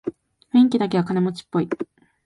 雰囲気だけは金持ちっぽい